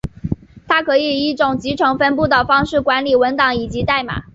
它可以以一种集成分布的方式管理文档以及代码。